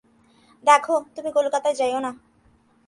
দেখো, তুমি কলিকাতায় যাইয়ো না।